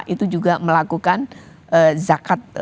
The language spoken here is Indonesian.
itu juga melakukan zakat